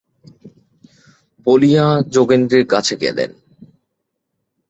বলিয়া যোগেন্দ্রের কাছে গেলেন।